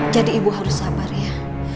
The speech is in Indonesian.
jadi ibu harus sabar ya